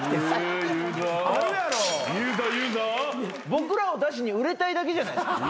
僕らをだしに売れたいだけじゃないっすか。